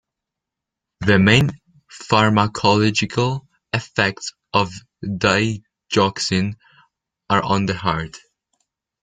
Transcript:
The main pharmacological effects of digoxin are on the heart.